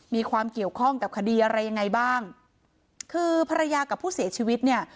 มีความเกี่ยวข้องกับคดีอะไรยังไงบ้างคือภรรยากับผู้เสียชีวิตเนี่ย